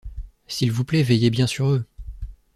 S’il vous plait veillez bien sur eux.